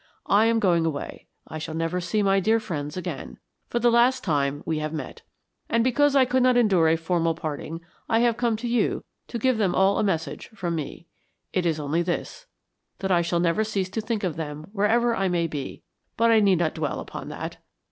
I am going away; I shall never see my dear friends again for the last time we have met. And because I could not endure a formal parting I have come to you to give them all a message from me. It is only this, that I shall never cease to think of them wherever I may be but I need not dwell upon that.